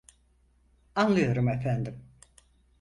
Anlıyorum efendim.